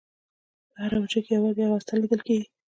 په هره حجره کې یوازې یوه هسته لیدل کېږي.